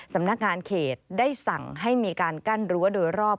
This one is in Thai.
สำนักงานเขตได้สั่งให้มีการกั้นรั้วโดยรอบ